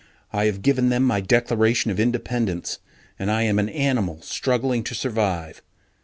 I have given them my declaration of independence, and I am an animal struggling to survive.